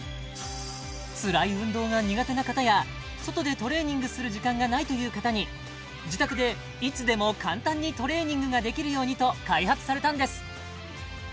つらい運動が苦手な方や外でトレーニングする時間がないという方に自宅でいつでも簡単にトレーニングができるようにと開発されたんです